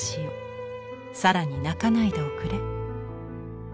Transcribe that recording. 更に鳴かないでおくれ」。